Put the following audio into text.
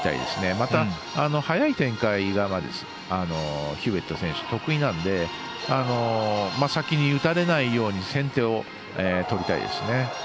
また、早い展開がヒューウェット選手、得意なので先に打たれないように先手を取りたいですね。